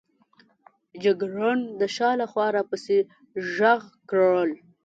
جګړن د شا له خوا را پسې ږغ کړل.